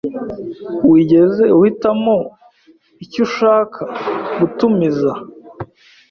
Wigeze uhitamo icyo ushaka gutumiza?